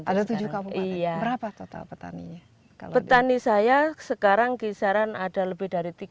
ada tujuh kamu iya berapa total petani petani saya sekarang kisaran ada lebih dari tiga puluh lima tiga puluh lima